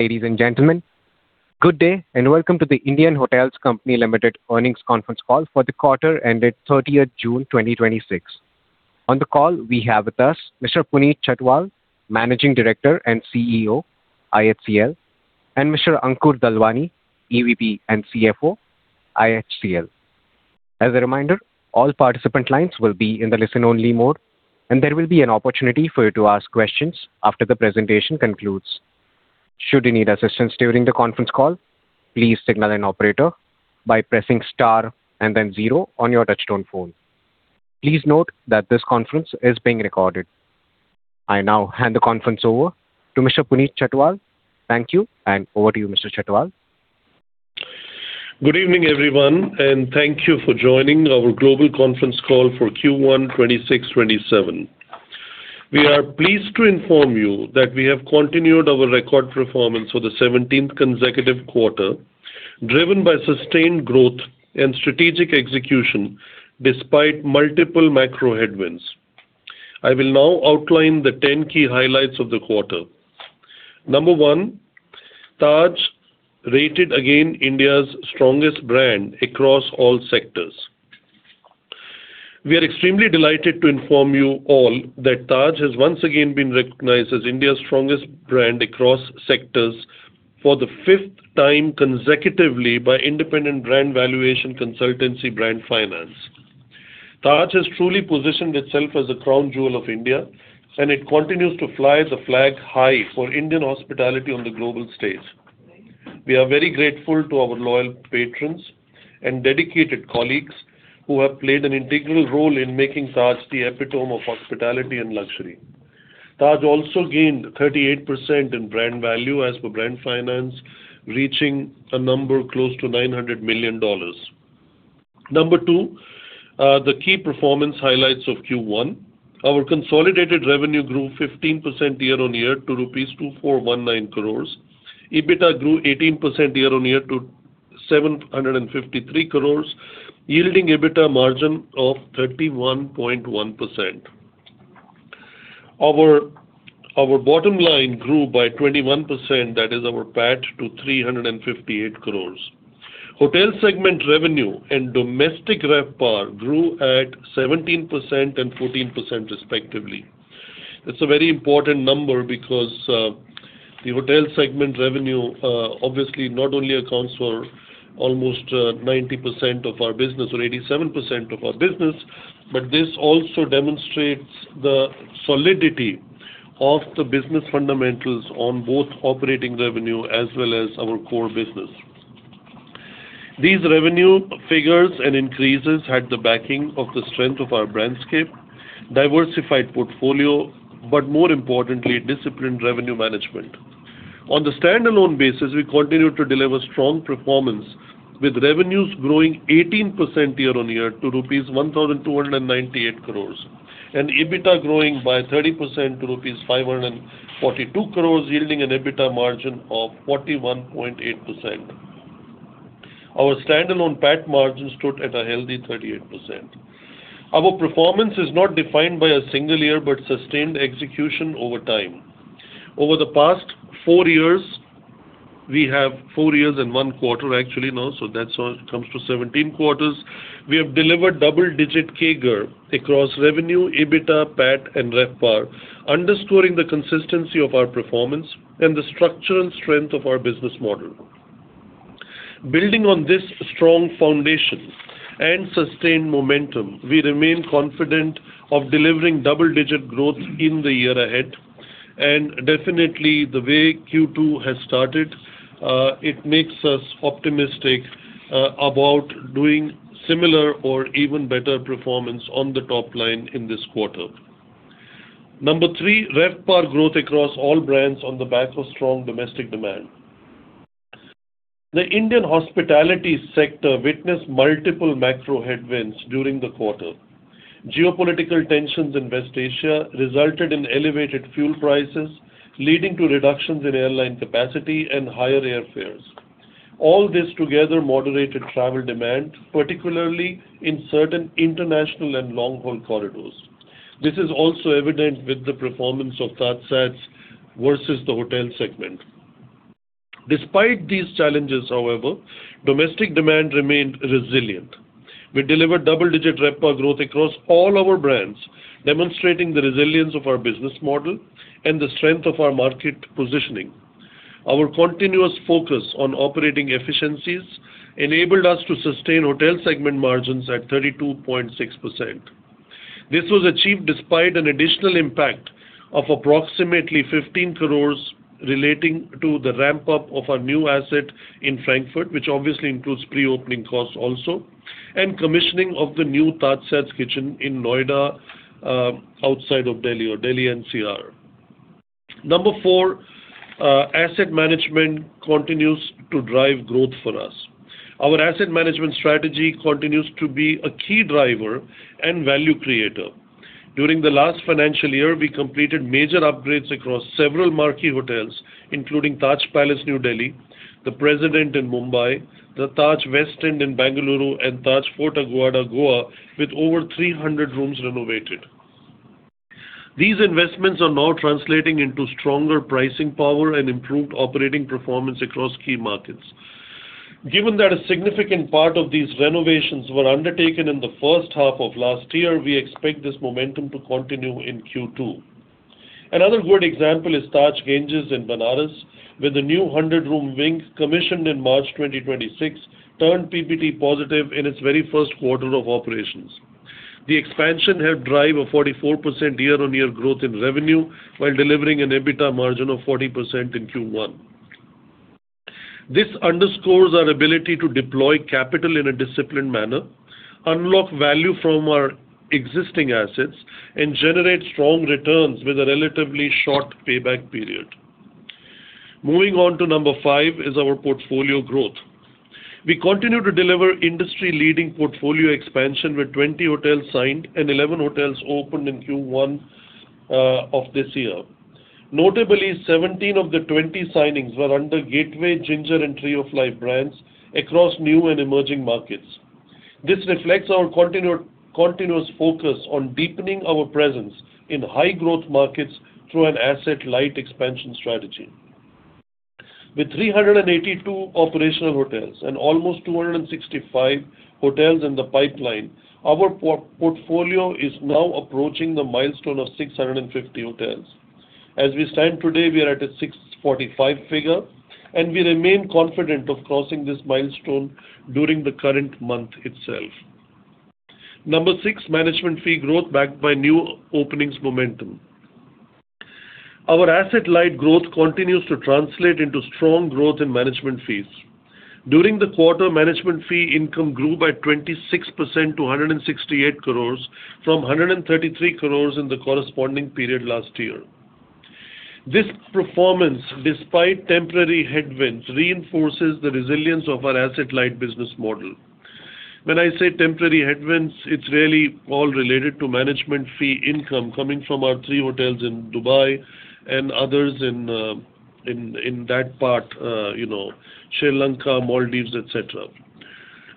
Ladies and gentlemen, good day and welcome to The Indian Hotels Company Limited Earnings Conference Call for the Quarter Ended June 30, 2026. On the call we have with us Mr. Puneet Chhatwal, Managing Director and CEO, IHCL, and Mr. Ankur Dalwani, EVP and CFO, IHCL. As a reminder, all participant lines will be in the listen-only mode, and there will be an opportunity for you to ask questions after the presentation concludes. Should you need assistance during the conference call, please signal an operator by pressing star and then zero on your touch-tone phone. Please note that this conference is being recorded. I now hand the conference over to Mr. Puneet Chhatwal. Thank you, and over to you, Mr. Chhatwal. Good evening, everyone, and thank you for joining our global conference call for Q1 2026/2027. We are pleased to inform you that we have continued our record performance for the 17th consecutive quarter, driven by sustained growth and strategic execution despite multiple macro headwinds. I will now outline the 10 key highlights of the quarter. Number one, Taj rated again India's strongest brand across all sectors. We are extremely delighted to inform you all that Taj has once again been recognized as India's strongest brand across sectors for the fifth time consecutively by independent brand valuation consultancy Brand Finance. Taj has truly positioned itself as the crown jewel of India, and it continues to fly the flag high for Indian hospitality on the global stage. We are very grateful to our loyal patrons and dedicated colleagues who have played an integral role in making Taj the epitome of hospitality and luxury. Taj also gained 38% in brand value as per Brand Finance, reaching a number close to $900 million. Number two, the key performance highlights of Q1. Our consolidated revenue grew 15% year-on-year to rupees 2,419 crores. EBITDA grew 18% year-on-year to 753 crores, yielding EBITDA margin of 31.1%. Our bottom line grew by 21%, that is our PAT, to 358 crores. Hotel segment revenue and domestic RevPAR grew at 17% and 14%, respectively. That's a very important number because the hotel segment revenue obviously not only accounts for almost 90% of our business or 87% of our business, but this also demonstrates the solidity of the business fundamentals on both operating revenue as well as our core business. These revenue figures and increases had the backing of the strength of our brand scape, diversified portfolio, but more importantly, disciplined revenue management. On the standalone basis, we continue to deliver strong performance with revenues growing 18% year-on-year to rupees 1,298 crores and EBITDA growing by 30% to rupees 542 crores, yielding an EBITDA margin of 41.8%. Our standalone PAT margin stood at a healthy 38%. Our performance is not defined by a single year, but sustained execution over time. Over the past four years, we have four years and one quarter actually now, so that comes to 17 quarters. We have delivered double-digit CAGR across revenue, EBITDA, PAT and RevPAR, underscoring the consistency of our performance and the structural strength of our business model. Building on this strong foundation and sustained momentum, we remain confident of delivering double-digit growth in the year ahead. Definitely the way Q2 has started, it makes us optimistic about doing similar or even better performance on the top line in this quarter. Number three, RevPAR growth across all brands on the back of strong domestic demand. The Indian hospitality sector witnessed multiple macro headwinds during the quarter. Geopolitical tensions in West Asia resulted in elevated fuel prices, leading to reductions in airline capacity and higher airfares. All this together moderated travel demand, particularly in certain international and long-haul corridors. This is also evident with the performance of TajSATS versus the hotel segment. Despite these challenges, however, domestic demand remained resilient. We delivered double-digit RevPAR growth across all our brands, demonstrating the resilience of our business model and the strength of our market positioning. Our continuous focus on operating efficiencies enabled us to sustain hotel segment margins at 32.6%. This was achieved despite an additional impact of approximately 15 crores relating to the ramp-up of our new asset in Frankfurt, which obviously includes pre-opening costs also, and commissioning of the new TajSATS kitchen in Noida, outside of Delhi or Delhi NCR. Number four, asset management continues to drive growth for us. Our asset management strategy continues to be a key driver and value creator. During the last financial year, we completed major upgrades across several marquee hotels, including Taj Palace, New Delhi, the President in Mumbai, the Taj West End in Bengaluru, and Taj Fort Aguada, Goa, with over 300 rooms renovated. These investments are now translating into stronger pricing power and improved operating performance across key markets. Given that a significant part of these renovations were undertaken in the first half of last year, we expect this momentum to continue in Q2. Another good example is Taj Ganges, Varanasi, with a new 100-room wing commissioned in March 2026, turned PBT positive in its very first quarter of operations. The expansion helped drive a 44% year-over-year growth in revenue while delivering an EBITDA margin of 40% in Q1. This underscores our ability to deploy capital in a disciplined manner, unlock value from our existing assets, and generate strong returns with a relatively short payback period. Moving on to number five is our portfolio growth. We continue to deliver industry-leading portfolio expansion with 20 hotels signed and 11 hotels opened in Q1 of this year. Notably, 17 of the 20 signings were under Gateway, Ginger, and Tree of Life brands across new and emerging markets. This reflects our continuous focus on deepening our presence in high-growth markets through an asset-light expansion strategy. With 382 operational hotels and almost 265 hotels in the pipeline, our portfolio is now approaching the milestone of 650 hotels. As we stand today, we are at a 645 figure, and we remain confident of crossing this milestone during the current month itself. Number six, management fee growth backed by new openings momentum. Our asset-light growth continues to translate into strong growth in management fees. During the quarter, management fee income grew by 26% to 168 crores from 133 crores in the corresponding period last year. This performance, despite temporary headwinds, reinforces the resilience of our asset-light business model. When I say temporary headwinds, it's really all related to management fee income coming from our three hotels in Dubai and others in that part, Sri Lanka, Maldives, et cetera.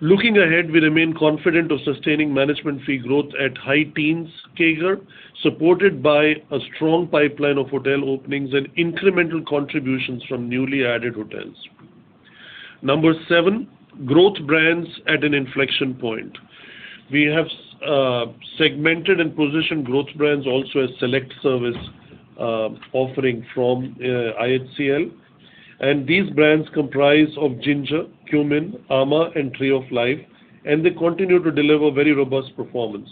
Looking ahead, we remain confident of sustaining management fee growth at high teens CAGR, supported by a strong pipeline of hotel openings and incremental contributions from newly added hotels. Number seven, growth brands at an inflection point. We have segmented and positioned growth brands also as select service offering from IHCL, and these brands comprise of Ginger, Qmin, amã, and Tree of Life, and they continue to deliver very robust performance.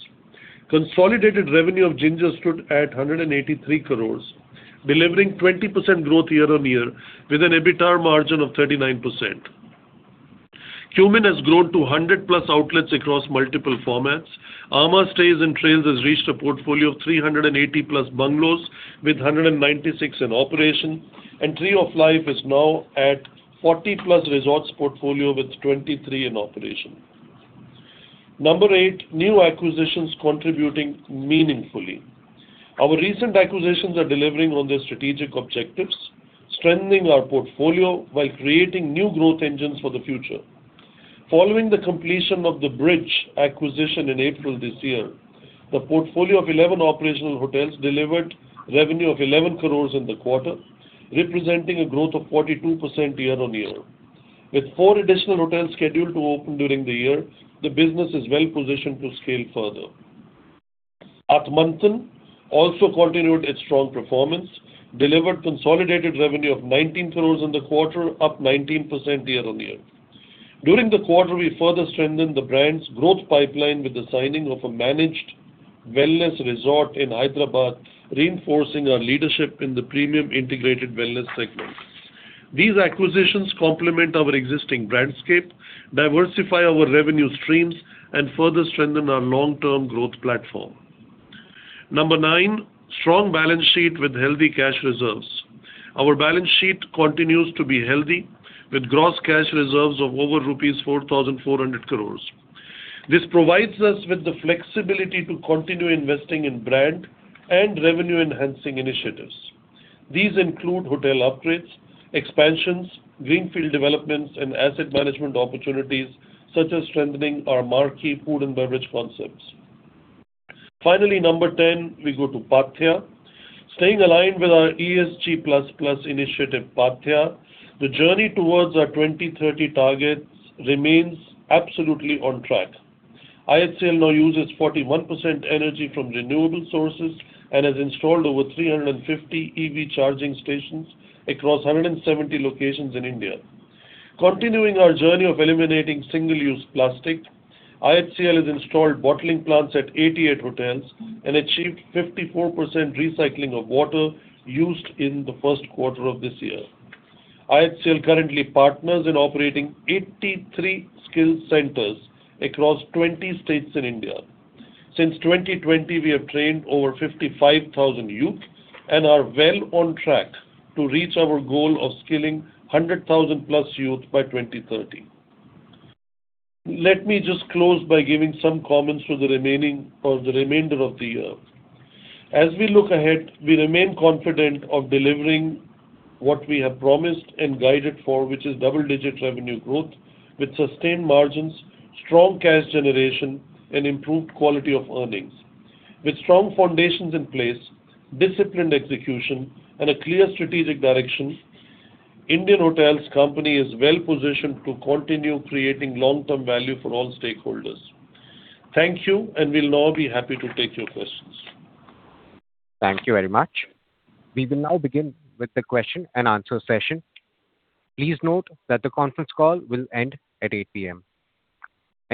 Consolidated revenue of Ginger stood at 183 crores, delivering 20% growth year-on-year with an EBITDA margin of 39%. Qmin has grown to 100+ outlets across multiple formats. amã Stays & Trails has reached a portfolio of 380+ bungalows with 196 in operation. Tree of Life is now at 40+ resorts portfolio with 23 in operation. Number eight, new acquisitions contributing meaningfully. Our recent acquisitions are delivering on their strategic objectives, strengthening our portfolio while creating new growth engines for the future. Following the completion of the Brij acquisition in April this year, the portfolio of 11 operational hotels delivered revenue of 11 crores in the quarter, representing a growth of 42% year-on-year. With four additional hotels scheduled to open during the year, the business is well positioned to scale further. Atmantan also continued its strong performance, delivered consolidated revenue of 19 crores in the quarter, up 19% year-on-year. During the quarter, we further strengthened the brand's growth pipeline with the signing of a managed wellness resort in Hyderabad, reinforcing our leadership in the premium integrated wellness segment. These acquisitions complement our existing brandscape, diversify our revenue streams, and further strengthen our long-term growth platform. Number nine, strong balance sheet with healthy cash reserves. Our balance sheet continues to be healthy with gross cash reserves of over rupees 4,400 crores. This provides us with the flexibility to continue investing in brand and revenue-enhancing initiatives. These include hotel upgrades, expansions, greenfield developments, and asset management opportunities such as strengthening our marquee food and beverage concepts. Finally, Number 10, we go to Paathya. Staying aligned with our ESG+ plus initiative, Paathya, the journey towards our 2030 targets remains absolutely on track. IHCL now uses 41% energy from renewable sources and has installed over 350 EV charging stations across 170 locations in India. Continuing our journey of eliminating single-use plastic, IHCL has installed bottling plants at 88 hotels and achieved 54% recycling of water used in the first quarter of this year. IHCL currently partners in operating 83 skill centers across 20 states in India. Since 2020, we have trained over 55,000 youth and are well on track to reach our goal of skilling 100,000+ youth by 2030. Let me just close by giving some comments for the remainder of the year. As we look ahead, we remain confident of delivering what we have promised and guided for, which is double-digit revenue growth with sustained margins, strong cash generation, and improved quality of earnings. With strong foundations in place, disciplined execution, and a clear strategic direction, Indian Hotels Company is well positioned to continue creating long-term value for all stakeholders. Thank you. We'll now be happy to take your questions. Thank you very much. We will now begin with the question and answer session. Please note that the conference call will end at 8:00 P.M.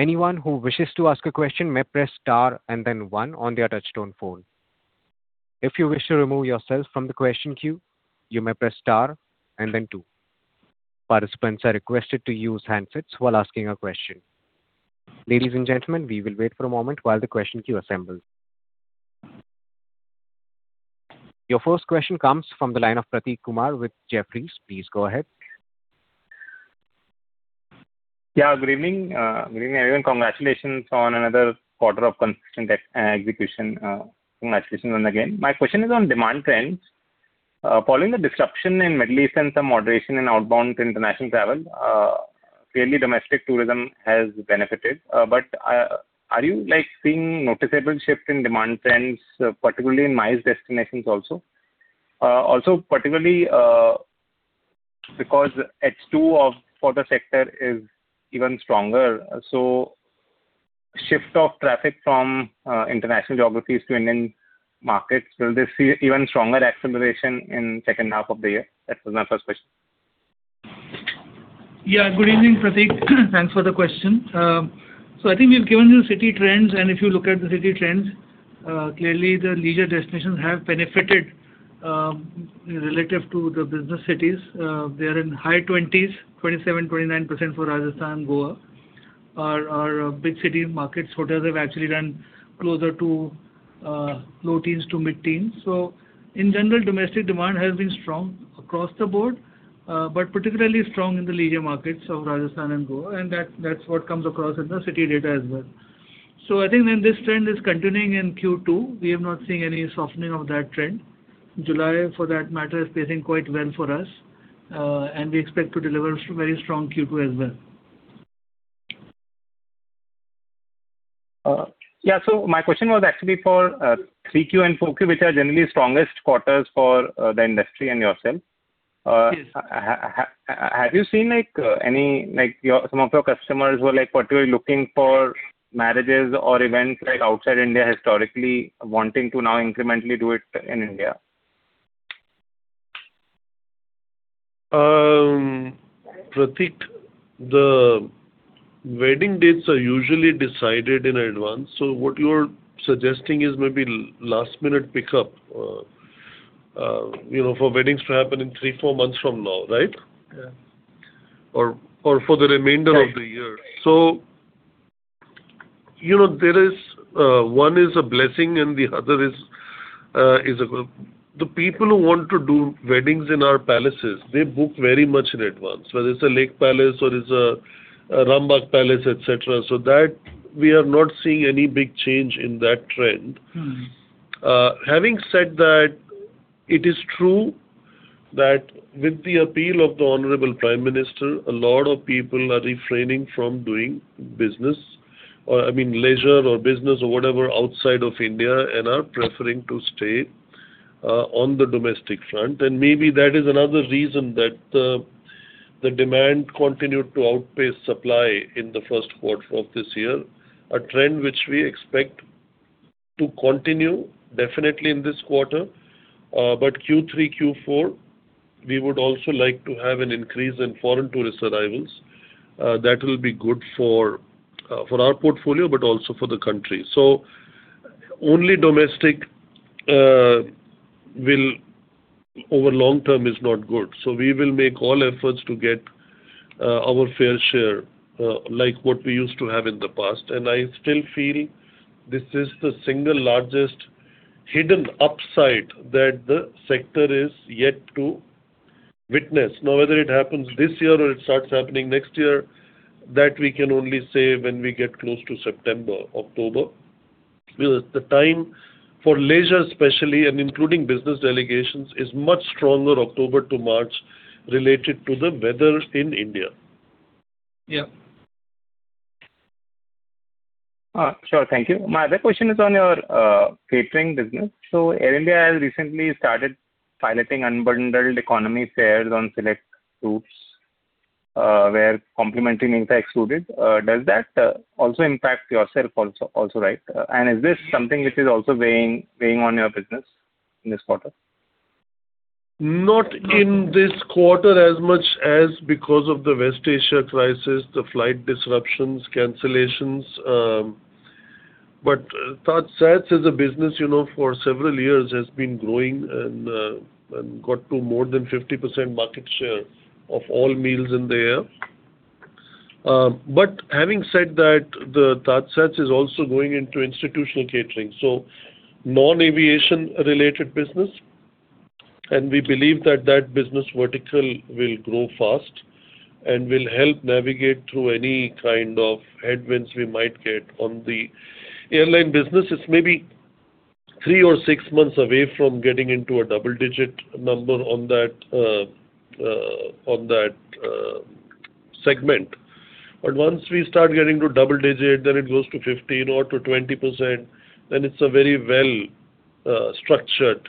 Anyone who wishes to ask a question may press star and then one on their touch-tone phone. If you wish to remove yourself from the question queue, you may press star and then two. Participants are requested to use handsets while asking a question. Ladies and gentlemen, we will wait for a moment while the question queue assembles. Your first question comes from the line of Prateek Kumar with Jefferies. Please go ahead. Good evening. Good evening, everyone. Congratulations on another quarter of consistent execution. Congratulations again. My question is on demand trends. Following the disruption in Middle East and some moderation in outbound international travel, clearly domestic tourism has benefited. Are you seeing noticeable shift in demand trends, particularly in MICE destinations also? Particularly, because H2 for the sector is even stronger, so shift of traffic from international geographies to Indian markets, will this see even stronger acceleration in second half of the year? That was my first question. Good evening, Prateek. Thanks for the question. I think we've given you city trends, and if you look at the city trends, clearly the leisure destinations have benefited relative to the business cities. They are in high 20s, 27%, 29% for Rajasthan, Goa. Our big city markets hotels have actually done closer to low teens to mid-teens. In general, domestic demand has been strong across the board, but particularly strong in the leisure markets of Rajasthan and Goa, and that's what comes across in the city data as well. I think this trend is continuing in Q2. We have not seen any softening of that trend. July, for that matter, is pacing quite well for us, and we expect to deliver very strong Q2 as well. My question was actually for 3Q and 4Q, which are generally strongest quarters for the industry and yourself. Have you seen some of your customers who are particularly looking for marriages or events outside India historically wanting to now incrementally do it in India? Prateek, the wedding dates are usually decided in advance, so what you're suggesting is maybe last-minute pickup for weddings to happen in three, four months from now, right? Yeah. For the remainder of the year. One is a blessing and the other is a curse. The people who want to do weddings in our palaces, they book very much in advance, whether it's a Lake Palace or it's a Rambagh Palace, et cetera. That we are not seeing any big change in that trend. Having said that, it is true that with the appeal of the Honorable Prime Minister, a lot of people are refraining from doing leisure or business or whatever outside of India and are preferring to stay on the domestic front, and maybe that is another reason that the demand continued to outpace supply in the first quarter of this year, a trend which we expect to continue definitely in this quarter. Q3, Q4, we would also like to have an increase in foreign tourist arrivals. That will be good for our portfolio, but also for the country. Only domestic over long term is not good. We will make all efforts to get our fair share, like what we used to have in the past. I still feel this is the single largest hidden upside that the sector is yet to witness. Whether it happens this year or it starts happening next year, that we can only say when we get close to September, October, because the time for leisure especially, and including business delegations, is much stronger October to March related to the weather in India. Yeah. Sure. Thank you. My other question is on your catering business. Air India has recently started piloting unbundled economy fares on select routes, where complimentary meals are excluded. Does that also impact yourself also? Is this something which is also weighing on your business in this quarter? Not in this quarter as much as because of the West Asia crisis, the flight disruptions, cancellations. TajSATS is a business for several years has been growing and got to more than 50% market share of all meals in the air. Having said that, TajSATS is also going into institutional catering, non-aviation related business, and we believe that that business vertical will grow fast and will help navigate through any kind of headwinds we might get on the airline business. It's maybe Three or six months away from getting into a double-digit number on that segment. Once we start getting to double digit, then it goes to 15% or to 20%, then it's a very well-structured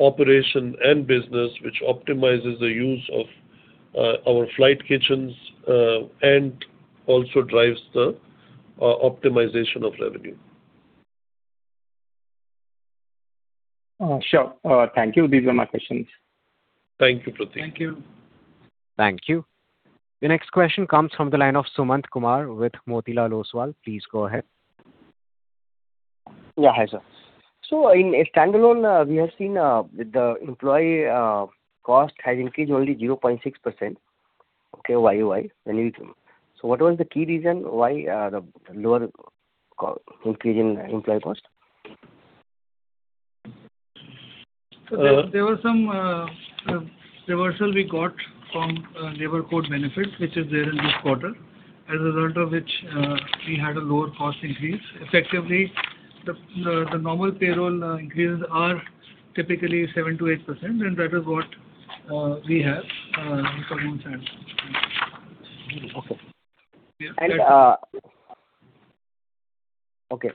operation and business, which optimizes the use of our flight kitchens and also drives the optimization of revenue. Sure. Thank you. These are my questions. Thank you, Prateek. Thank you. Thank you. The next question comes from the line of Sumant Kumar with Motilal Oswal. Please go ahead. Yeah. Hi, sir. In standalone, we have seen the employee cost has increased only 0.6%. Okay, why? What was the key reason why the lower increase in employee cost? There was some reversal we got from labor court benefit, which is there in this quarter. As a result of which, we had a lower cost increase. Effectively, the normal payroll increases are typically 7%-8%, and that is what we have on a month end. Okay.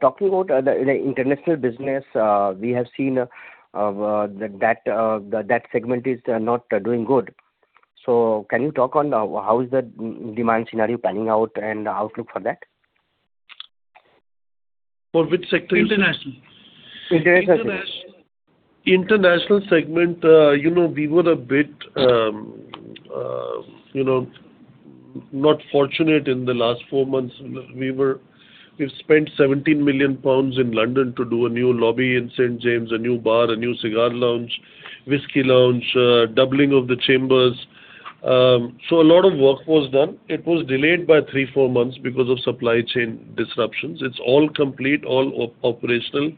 Talking about the international business, we have seen that segment is not doing good. Can you talk on how is the demand scenario panning out and outlook for that? For which sector you said? International. International. International segment, we were a bit not fortunate in the last four months. We've spent 17 million pounds in London to do a new lobby in St James, a new bar, a new cigar lounge, whiskey lounge, doubling of The Chambers. A lot of work was done. It was delayed by three, four months because of supply chain disruptions. It's all complete, all operational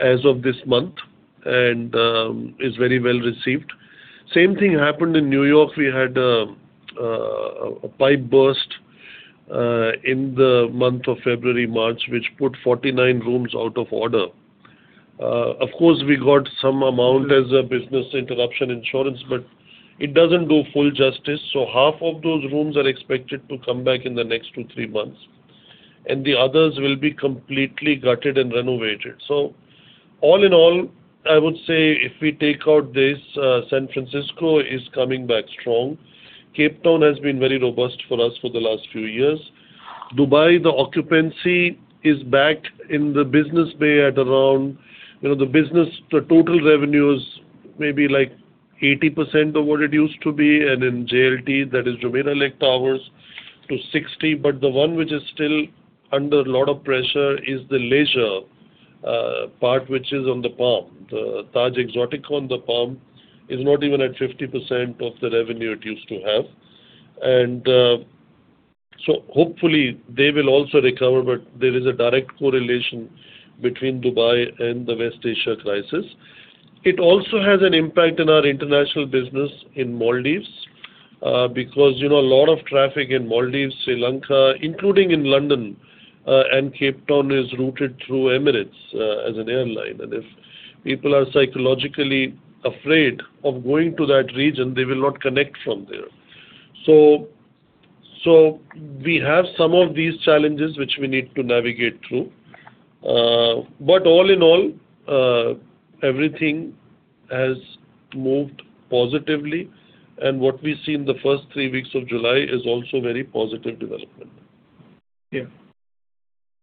as of this month, and is very well-received. Same thing happened in New York. We had a pipe burst in the month of February, March, which put 49 rooms out of order. Of course, we got some amount as a business interruption insurance, but it doesn't do full justice. Half of those rooms are expected to come back in the next two, three months, and the others will be completely gutted and renovated. All in all, I would say if we take out this, San Francisco is coming back strong. Cape Town has been very robust for us for the last few years. Dubai, the occupancy is back in the Business Bay. The total revenue is maybe 80% of what it used to be, and in JLT, that is Jumeirah Lake Towers, to 60%. The one which is still under a lot of pressure is the leisure part, which is on the Palm. The Taj Exotica on the Palm is not even at 50% of the revenue it used to have. Hopefully they will also recover, but there is a direct correlation between Dubai and the West Asia crisis. It also has an impact on our international business in Maldives because a lot of traffic in Maldives, Sri Lanka, including in London and Cape Town is routed through Emirates as an airline. If people are psychologically afraid of going to that region, they will not connect from there. We have some of these challenges which we need to navigate through. All in all, everything has moved positively, and what we see in the first three weeks of July is also very positive development. Yeah.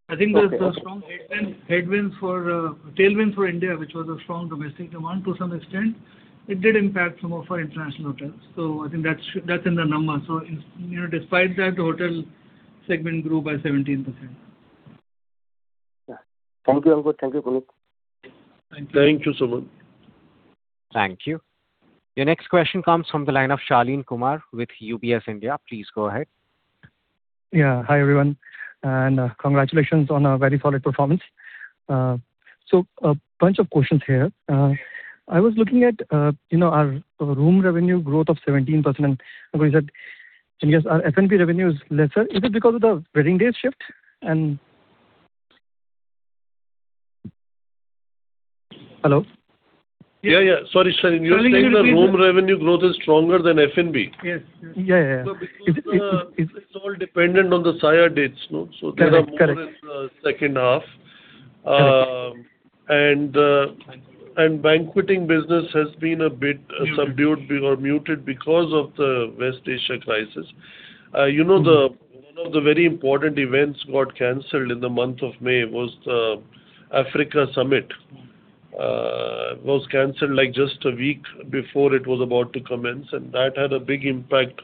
I think there's a strong tailwind for India, which was a strong domestic demand to some extent. It did impact some of our international hotels. I think that's in the number. Despite that, the hotel segment grew by 17%. Yeah. Thank you, Ankur. Thank you, Puneet. Thank you, Sumant. Thank you. Your next question comes from the line of Shaleen Kumar with UBS India. Please go ahead. Yeah. Hi, everyone, and congratulations on a very solid performance. A bunch of questions here. I was looking at our room revenue growth of 17%, and Ankur you said, I guess our F&B revenue is lesser. Is it because of the wedding day shift and Hello? Yeah. Sorry, Shaleen. You're saying that room revenue growth is stronger than F&B? Yes. Yeah. It's all dependent on the Saya dates. They are more in the second half. Banqueting business has been a bit subdued or muted because of the West Asia crisis. One of the very important events got canceled in the month of May was the Africa Summit. It was canceled just a week before it was about to commence, and that had a big impact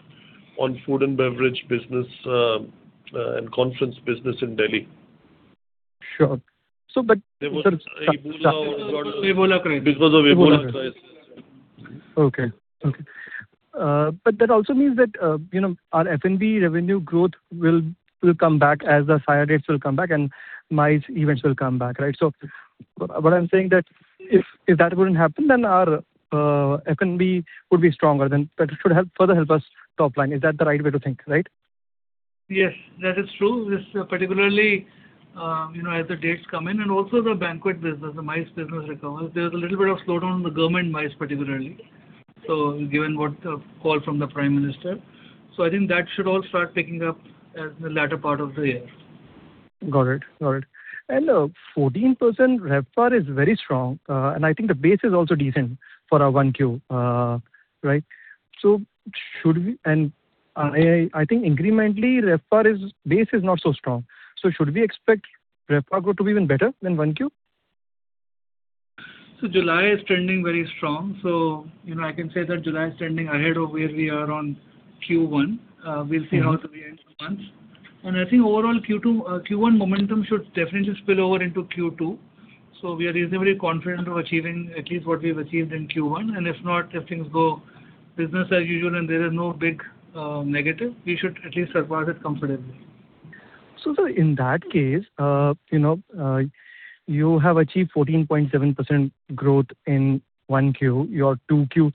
on food and beverage business and conference business in Delhi. Sure. Because of Ebola crisis. Okay. That also means that our F&B revenue growth will come back as the Saya dates will come back and MICE events will come back, right? What I'm saying that if that wouldn't happen, then our F&B would be stronger, then that should further help us top line. Is that the right way to think, right? Yes, that is true. Yes, particularly as the dates come in and also the banquet business, the MICE business recovers. There was a little bit of slowdown in the government MICE particularly, so given what the call from the Prime Minister. I think that should all start picking up at the latter part of the year. Got it. 14% RevPAR is very strong. I think the base is also decent for our one Q. I think incrementally RevPAR base is not so strong. Should we expect RevPAR growth to be even better than one Q? July is trending very strong. I can say that July is trending ahead of where we are on Q1. We'll see how it behaves in months. I think overall Q1 momentum should definitely spill over into Q2. We are reasonably confident of achieving at least what we have achieved in Q1. If not, if things go business as usual, and there is no big negative, we should at least surpass it comfortably. Sir, in that case, you have achieved 14.7% growth in 1Q. Your 2Q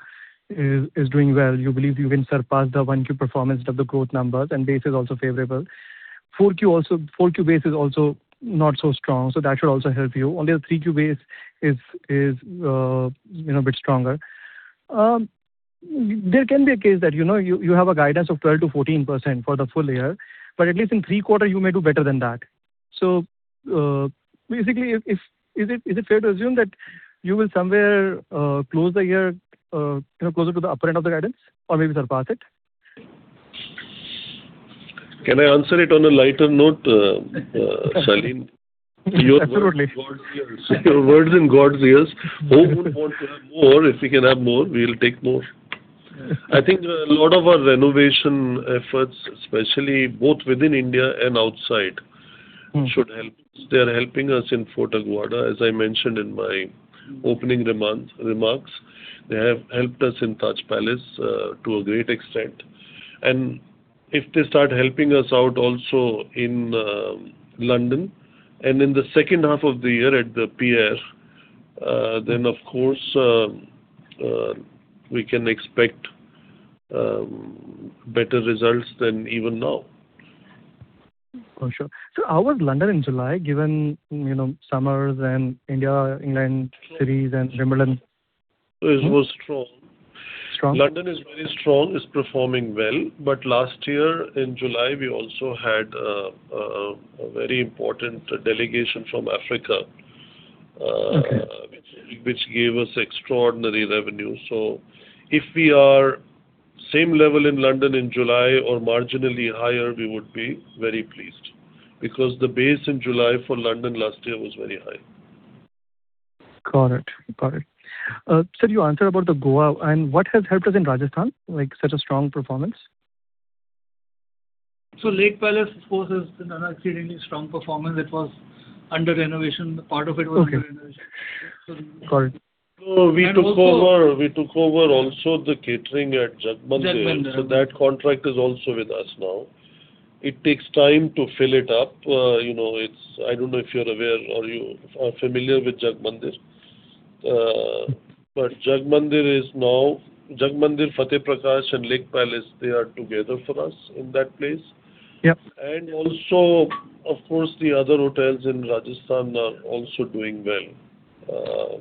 is doing well. You believe you can surpass the 1Q performance of the growth numbers. Base is also favorable. 4Q base is also not so strong, that should also help you. Only the 3Q base is a bit stronger. There can be a case that you have a guidance of 12%-14% for the full year, but at least in three quarter you may do better than that. Basically is it fair to assume that you will somewhere close the year closer to the upper end of the guidance or maybe surpass it? Can I answer it on a lighter note, Shaleen? Absolutely. Your word in God's ears. Who would want to have more? If we can have more, we'll take more. I think a lot of our renovation efforts, especially both within India and outside should help us. They are helping us in Fort Aguada, as I mentioned in my opening remarks. They have helped us in Taj Palace to a great extent. If they start helping us out also in London and in the second half of the year at The Pierre, then of course, we can expect better results than even now. For sure. How was London in July, given summers and India, England series and Wimbledon? It was strong. Strong? London is very strong. It's performing well. Last year in July, we also had a very important delegation from Africa which gave us extraordinary revenue. If we are same level in London in July or marginally higher, we would be very pleased because the base in July for London last year was very high. Got it. Sir, you answered about the Goa. What has helped us in Rajasthan, like such a strong performance? Lake Palace, of course, has been an exceedingly strong performance. It was under renovation. Part of it was under renovation. Got it. We took over also the catering at Jagmandir. Jagmandir. That contract is also with us now. It takes time to fill it up. I don't know if you're aware or you are familiar with Jagmandir. Jagmandir, Fateh Prakash, and Lake Palace, they are together for us in that place. Also, of course, the other hotels in Rajasthan are also doing well.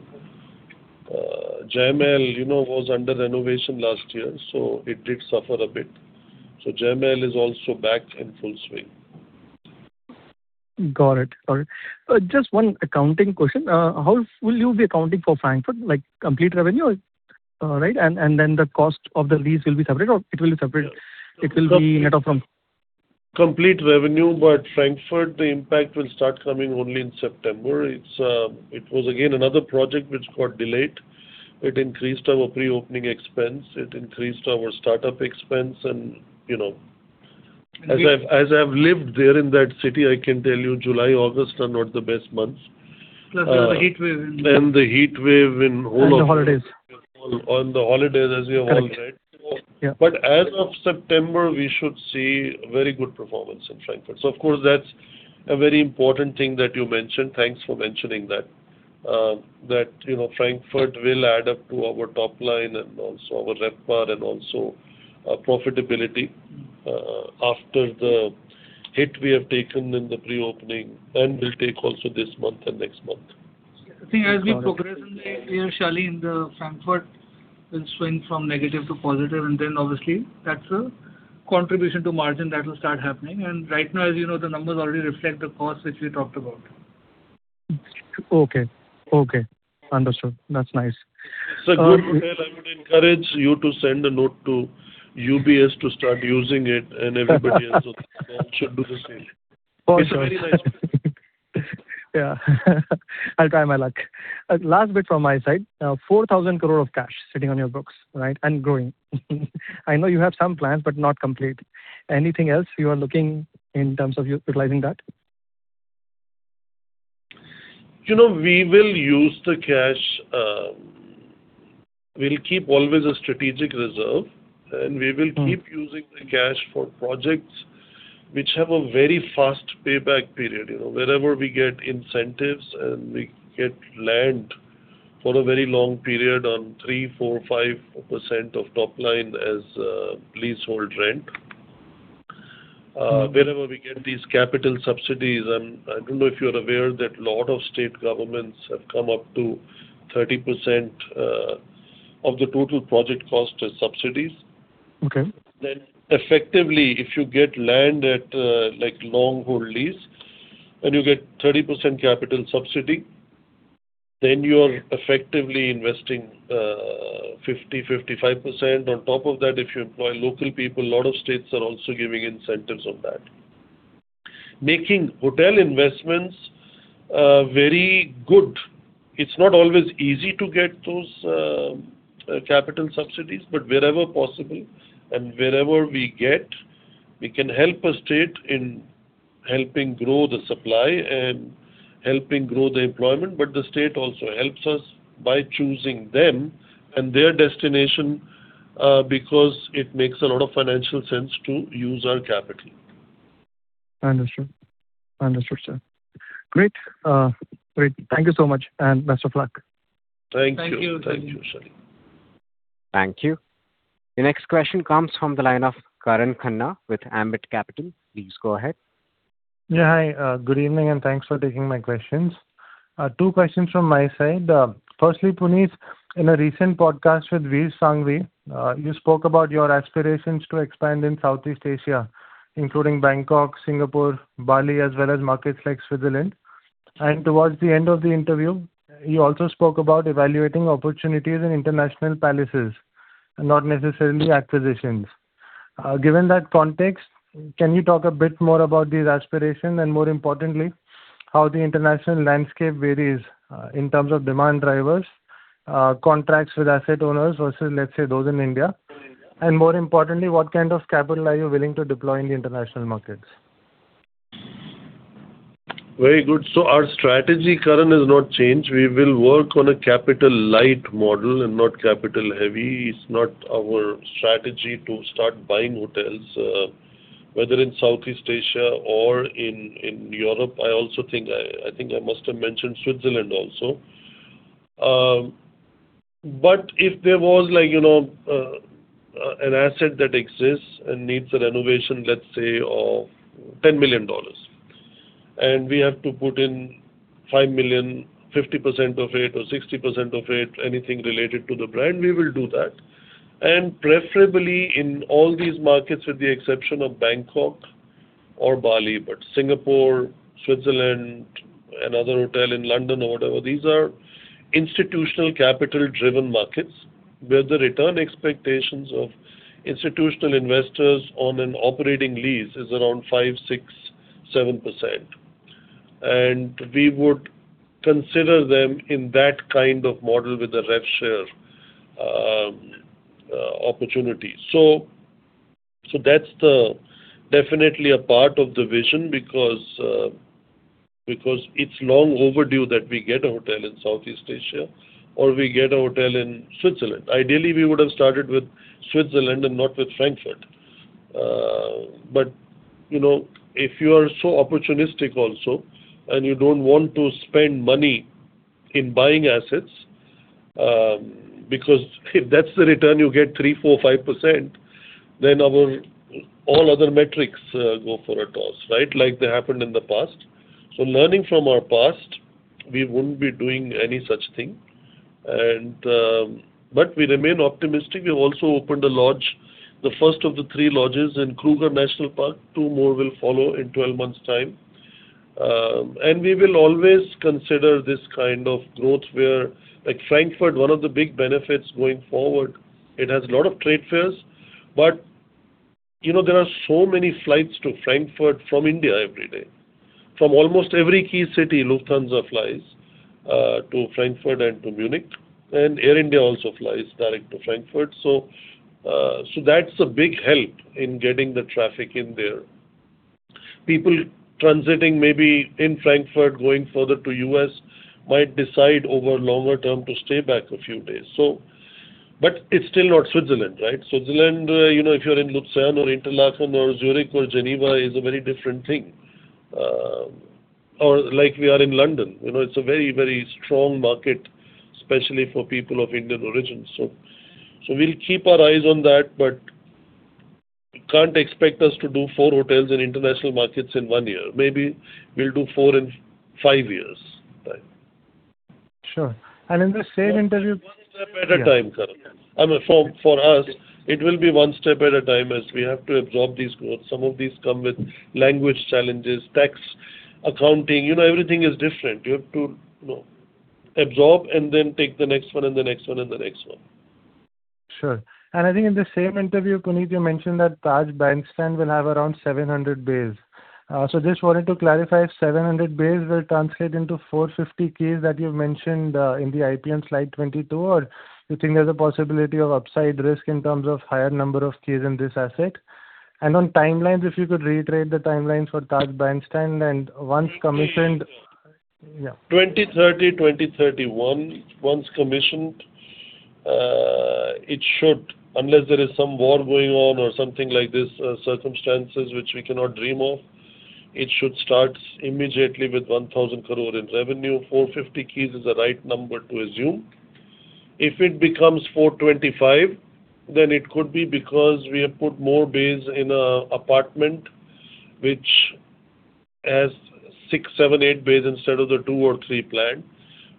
Jai Mahal was under renovation last year, it did suffer a bit. Jai Mahal is also back in full swing. Got it. Just one accounting question. How will you be accounting for Frankfurt? Like complete revenue? Then the cost of the lease will be separate, or it will be net off from- Complete revenue. Frankfurt, the impact will start coming only in September. It was again another project which got delayed. It increased our pre-opening expense. It increased our startup expense. As I've lived there in that city I can tell you July, August are not the best months. There was a heat wave. The heat wave in whole. The holidays. On the holidays as we have all read. Correct. Yeah. As of September, we should see very good performance in Frankfurt. Of course, that's a very important thing that you mentioned. Thanks for mentioning that. That Frankfurt will add up to our top line and also our RevPAR and also our profitability after the hit we have taken in the pre-opening and will take also this month and next month. I think as we progress in the year, Shaleen, the Frankfurt will swing from negative to positive, and then obviously that's a contribution to margin that will start happening. Right now, as you know, the numbers already reflect the costs which we talked about. Okay. Understood. That's nice. Good hotel, I would encourage you to send a note to UBS to start using it and everybody else also should do the same. It's a very nice place. Yeah. I'll try my luck. Last bit from my side. 4,000 crore of cash sitting on your books, and growing. I know you have some plans, but not complete. Anything else you are looking in terms of utilizing that? We will use the cash. We'll keep always a strategic reserve, and we will keep using the cash for projects which have a very fast payback period. Wherever we get incentives, and we get land for a very long period on 3%, 4%, 5% of top line as leasehold rent. Whenever we get these capital subsidies, and I don't know if you're aware that lot of state governments have come up to 30% of the total project cost as subsidies. Okay. Effectively, if you get land at long-hold lease and you get 30% capital subsidy, you are effectively investing 50%-55%. On top of that, if you employ local people, a lot of states are also giving incentives on that, making hotel investments very good. It is not always easy to get those capital subsidies, wherever possible and wherever we get, we can help a state in helping grow the supply and helping grow the employment. The state also helps us by choosing them and their destination, because it makes a lot of financial sense to use our capital. I understand, sir. Great. Thank you so much, and best of luck. Thank you. Thank you. Thank you, Shaleen. Thank you. The next question comes from the line of Karan Khanna with Ambit Capital. Please go ahead. Hi, good evening, and thanks for taking my questions. Two questions from my side. Firstly, Puneet, in a recent podcast with Vir Sanghvi, you spoke about your aspirations to expand in Southeast Asia, including Bangkok, Singapore, Bali, as well as markets like Switzerland. Towards the end of the interview, you also spoke about evaluating opportunities in international palaces, not necessarily acquisitions. Given that context, can you talk a bit more about these aspirations and more importantly, how the international landscape varies in terms of demand drivers, contracts with asset owners versus, let's say, those in India? More importantly, what kind of capital are you willing to deploy in the international markets? Very good. Our strategy, Karan, has not changed. We will work on a capital-light model and not capital-heavy. It's not our strategy to start buying hotels, whether in Southeast Asia or in Europe. I think I must have mentioned Switzerland also. If there was an asset that exists and needs a renovation, let's say, of $10 million, and we have to put in $5 million, 50% of it or 60% of it, anything related to the brand, we will do that. Preferably in all these markets, with the exception of Bangkok or Bali. Singapore, Switzerland, another hotel in London or whatever, these are institutional capital-driven markets where the return expectations of institutional investors on an operating lease is around 5%, 6%, 7%. We would consider them in that kind of model with a rev share opportunity. That's definitely a part of the vision because it's long overdue that we get a hotel in Southeast Asia or we get a hotel in Switzerland. Ideally, we would have started with Switzerland and not with Frankfurt. If you are so opportunistic also and you don't want to spend money in buying assets because if that's the return you get 3%, 4%, 5%, then all other metrics go for a toss, right. Learning from our past, we wouldn't be doing any such thing. We remain optimistic. We've also opened a lodge, the first of the three lodges in Kruger National Park. Two more will follow in 12 months' time. We will always consider this kind of growth where, like Frankfurt, one of the big benefits going forward, it has a lot of trade fairs. There are so many flights to Frankfurt from India every day. From almost every key city, Lufthansa flies to Frankfurt and to Munich. Air India also flies direct to Frankfurt. That's a big help in getting the traffic in there. People transiting maybe in Frankfurt going further to U.S. might decide over longer term to stay back a few days. It's still not Switzerland, right. Switzerland, if you're in Lucerne or Interlaken or Zurich or Geneva is a very different thing. Like we are in London, it's a very strong market, especially for people of Indian origin. We'll keep our eyes on that, but you can't expect us to do four hotels in international markets in one year. Maybe we'll do four in five years' time. Sure. In the same interview. One step at a time, Karan. I mean, for us, it will be one step at a time as we have to absorb these growth. Some of these come with language challenges, tax, accounting. Everything is different. You have to absorb and then take the next one and the next one and the next one. Sure. I think in the same interview, Puneet, you mentioned that Taj Bandstand will have around 700 bays. Just wanted to clarify if 700 bays will translate into 450 keys that you mentioned in the IP on slide 22, or you think there's a possibility of upside risk in terms of higher number of keys in this asset? On timelines, if you could reiterate the timelines for Taj Bandstand and once commissioned, yeah. 2030, 2031, once commissioned It should, unless there is some war going on or something like this, circumstances which we cannot dream of, it should start immediately with 1,000 crore in revenue. 450 keys is the right number to assume. If it becomes 425, then it could be because we have put more beds in an apartment which has six, seven, eight beds instead of the two or three planned.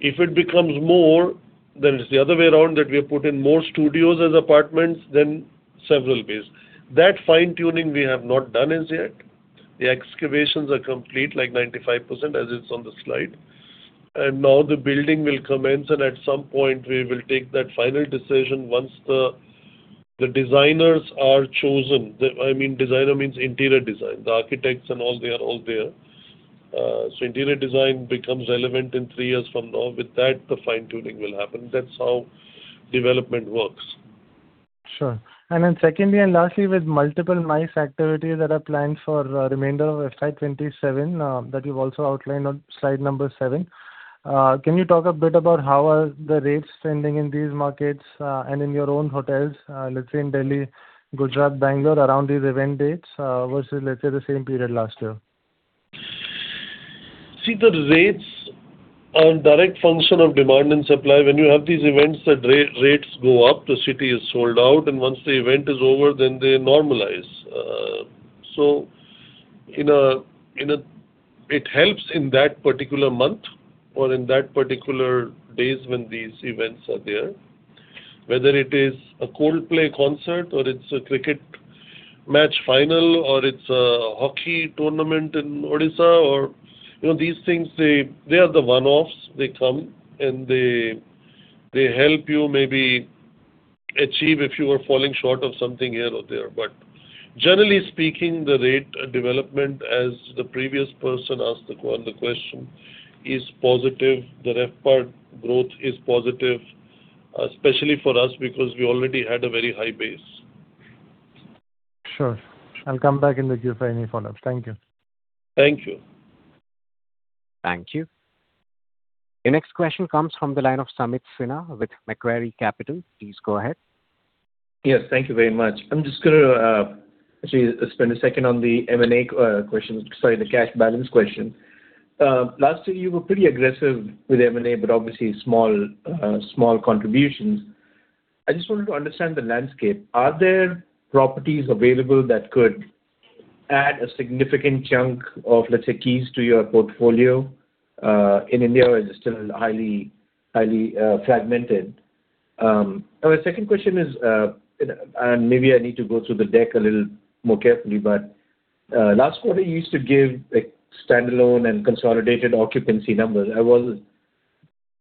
If it becomes more, then it's the other way around that we have put in more studios as apartments than several beds. That fine-tuning we have not done as yet. The excavations are complete, like 95%, as it's on the slide. Now the building will commence, and at some point, we will take that final decision once the designers are chosen. Designer means interior design. The architects and all, they are all there. Interior design becomes relevant in three years from now. With that, the fine-tuning will happen. That's how development works. Sure. Then secondly and lastly, with multiple MICE activities that are planned for the remainder of FY 2027 that you've also outlined on slide number seven, can you talk a bit about how are the rates trending in these markets and in your own hotels, let's say in Delhi, Gujarat, Bangalore, around these event dates versus, let's say, the same period last year? The rates are a direct function of demand and supply. When you have these events, the rates go up, the city is sold out. Once the event is over, they normalize. It helps in that particular month or in that particular days when these events are there, whether it is a Coldplay concert or it is a cricket match final, or it is a hockey tournament in Odisha. These things, they are the one-offs. They come, and they help you maybe achieve if you are falling short of something here or there. Generally speaking, the rate development, as the previous person asked the question, is positive. The RevPAR growth is positive, especially for us, because we already had a very high base. Sure. I will come back in the queue for any follow-ups. Thank you. Thank you. Thank you. The next question comes from the line of Sameet Sinha with Macquarie Capital. Please go ahead. Yes. Thank you very much. I am just going to actually spend a second on the M&A question, sorry, the cash balance question. Last year, you were pretty aggressive with M&A, but obviously small contributions. I just wanted to understand the landscape. Are there properties available that could add a significant chunk of, let us say, keys to your portfolio in India, where it is still highly fragmented? My second question is, maybe I need to go through the deck a little more carefully, but last quarter you used to give standalone and consolidated occupancy numbers.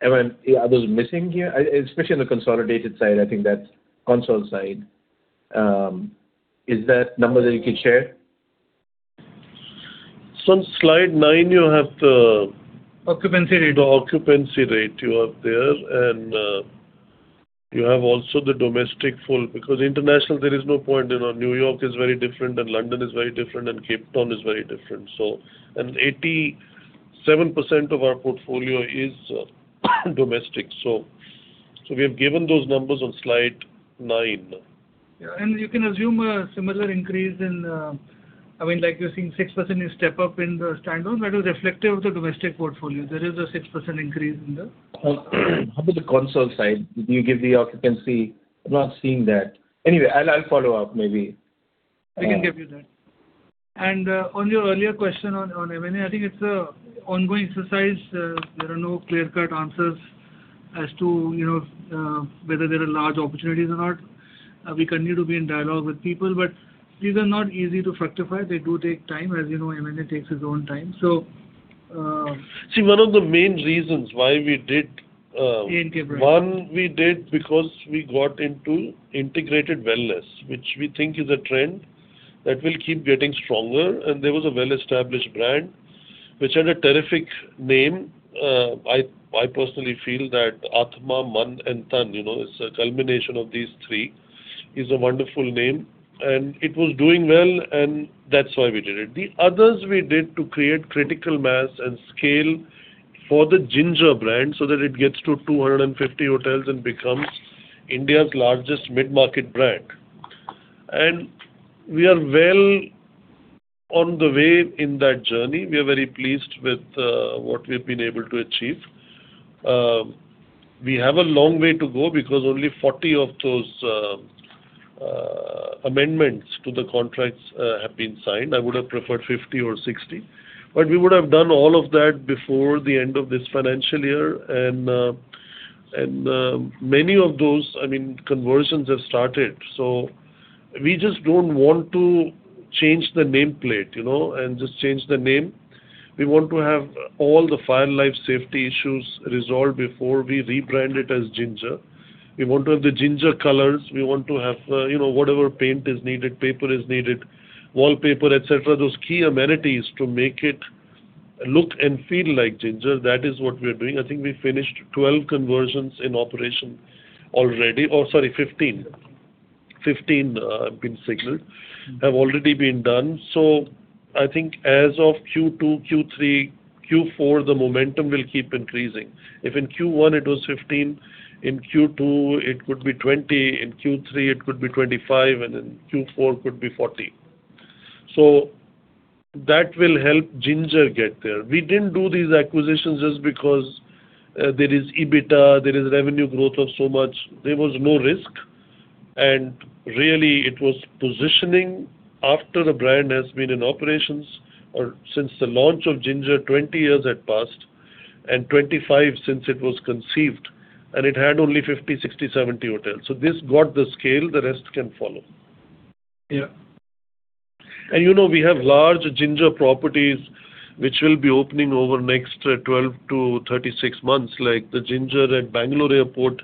Am I missing here? Especially on the consolidated side, consol side. Is that number that you can share? On slide nine, you have the? Occupancy rate. The occupancy rate you have there, you have also the domestic full, because international there is no point. New York is very different, London is very different, Cape Town is very different. 87% of our portfolio is domestic. We have given those numbers on slide nine. Yeah. You can assume a similar increase. You're seeing 6% step-up in the standalone. That is reflective of the domestic portfolio. There is a 6% increase in the. How about the consol side? Did you give the occupancy? I'm not seeing that. Anyway, I'll follow up maybe. We can give you that. On your earlier question on M&A, I think it's an ongoing exercise. There are no clear-cut answers as to whether there are large opportunities or not. We continue to be in dialogue with people, but these are not easy to fructify. They do take time. As you know, M&A takes its own time. See, one of the main reasons why we did. The ANK brand. We did because we got into integrated wellness, which we think is a trend that will keep getting stronger, and there was a well-established brand which had a terrific name. I personally feel that atma, mana, and tan, it's a culmination of these three, is a wonderful name, and it was doing well, and that's why we did it. The others we did to create critical mass and scale for the Ginger brand so that it gets to 250 hotels and becomes India's largest mid-market brand. We are well on the way in that journey. We are very pleased with what we've been able to achieve. We have a long way to go because only 40 of those amendments to the contracts have been signed. I would have preferred 50 or 60. We would have done all of that before the end of this financial year, and many of those conversions have started. We just don't want to change the nameplate, and just change the name. We want to have all the fire and life safety issues resolved before we rebrand it as Ginger. We want to have the Ginger colors. We want to have whatever paint is needed, paper is needed, wallpaper, et cetera, those key amenities to make it look and feel like Ginger. That is what we are doing. I think we finished 12 conversions in operation already. Oh, sorry, 15. 15 have been signaled, have already been done. I think as of Q2, Q3, Q4, the momentum will keep increasing. If in Q1 it was 15, in Q2 it would be 20, in Q3 it could be 25, and in Q4 could be 40. That will help Ginger get there. We didn't do these acquisitions just because there is EBITDA, there is revenue growth of so much. There was no risk, and really it was positioning after the brand has been in operations, or since the launch of Ginger, 20 years had passed, and 25 since it was conceived, and it had only 50, 60, 70 hotels. This got the scale, the rest can follow. Yeah. You know we have large Ginger properties which will be opening over the next 12-36 months, like the Ginger at Bangalore Airport